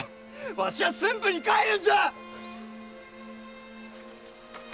わしは駿府に帰るんじゃ！